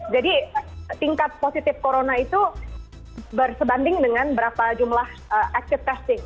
jadi tingkat positif corona itu bersebanding dengan berapa jumlah aktif testing